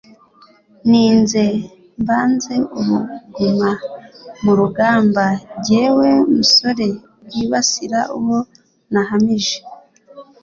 ninze mbanze uruguma mu rugamba jyewe musore rwibasira uwo nahamije